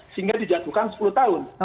sehingga dijatuhkan sepuluh tahun